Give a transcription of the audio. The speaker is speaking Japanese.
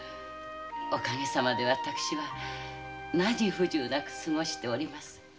お陰様で私は何不自由なく過ごしておりまする。